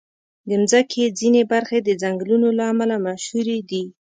د مځکې ځینې برخې د ځنګلونو له امله مشهوري دي.